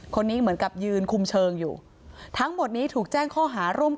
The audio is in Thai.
คนนี้เหมือนกับยืนคุมเชิงอยู่ทั้งหมดนี้ถูกแจ้งข้อหาร่วม